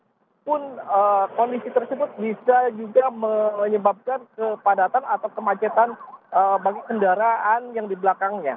walaupun kondisi tersebut bisa juga menyebabkan kepadatan atau kemacetan bagi kendaraan yang di belakangnya